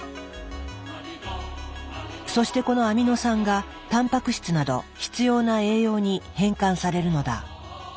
そしてこのアミノ酸がたんぱく質など必要な栄養に変換されるのだ。